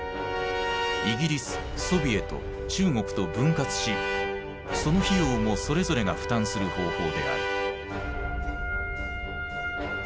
イギリスソビエト中国と分割しその費用もそれぞれが負担する方法である。